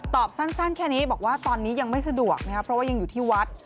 สั้นแค่นี้บอกว่าตอนนี้ยังไม่สะดวกนะครับเพราะว่ายังอยู่ที่วัด